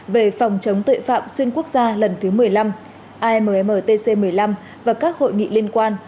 về phòng chống tội phạm xuyên quốc gia lần thứ một mươi năm ammtc một mươi năm và các hội nghị liên quan